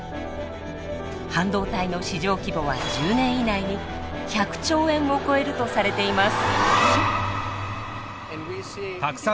半導体の市場規模は１０年以内に１００兆円を超えるとされています。